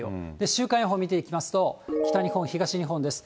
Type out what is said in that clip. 週間予報見ていきますと、北日本、東日本です。